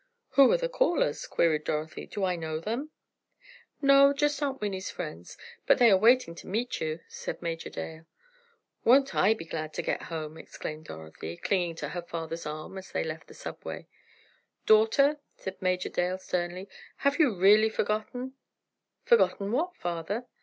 "Who are the callers," queried Dorothy; "do I know them?" "No, just Aunt Winnie's friends, but they are waiting to meet you," said Major Dale. "Won't I be glad to get home!" exclaimed Dorothy, clinging to her father's arm as they left the subway. "Daughter," said Major Dale, sternly, "have you really forgotten?" "Forgotten what, father?"